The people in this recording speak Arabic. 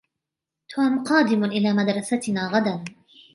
توم قادمٌ إلى مدرستنا غداً.